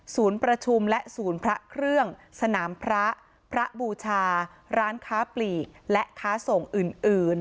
ประชุมและศูนย์พระเครื่องสนามพระพระบูชาร้านค้าปลีกและค้าส่งอื่น